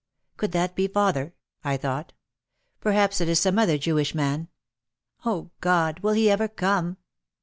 "Could that be father?" I thought. "Per haps it is some other Jewish man. Oh God, will he ever come